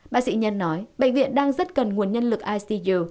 bác sĩ nhân nói bệnh viện đang rất cần nguồn nhân lực icel